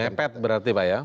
mepet berarti pak ya